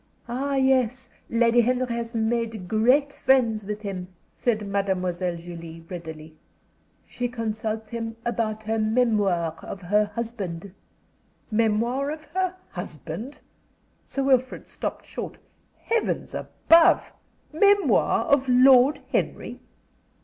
"Ah, yes. Lady Henry has made great friends with him," said Mademoiselle Julie, readily. "She consults him about her memoir of her husband." "Memoir of her husband!" Sir Wilfrid stopped short. "Heavens above! Memoir of Lord Henry?"